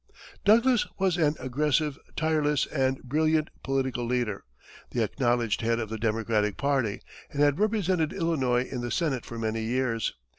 Douglas was an aggressive, tireless and brilliant political leader, the acknowledged head of the Democratic party, and had represented Illinois in the Senate for many years.